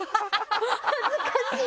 恥ずかしい！